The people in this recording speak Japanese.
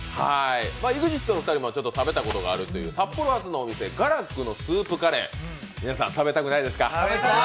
ＥＸＩＴのお二人も食べたことがあるという札幌発のＧＡＲＡＫＵのスープカレー、皆さん食べたくないですか？